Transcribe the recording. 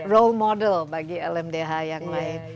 role model bagi lmdh yang lain